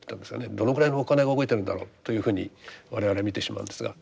どのぐらいのお金が動いてるんだろうというふうに我々見てしまうんですが。